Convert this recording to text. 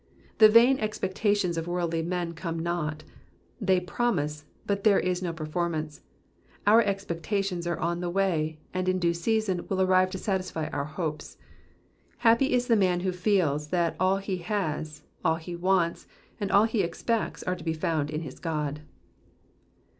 Tlie vain expectations of worldly men come not ; they promise, but there is no pei formance ; our expectations are on the way, and in due season will arrive to satisfy our hopes. Happy is the man who feels that all he has, all he wants, and all he expects are to be found in his God.